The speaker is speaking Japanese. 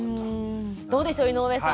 どうでしょう井上さん。